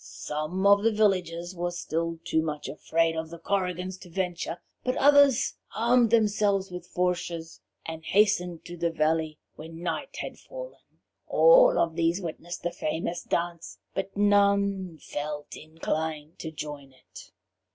Some of the villagers were still too much afraid of the Korrigans to venture, but others armed themselves with fourches, and hastened to the valley when night had fallen. All of these witnessed the famous dance, but none felt inclined to join it.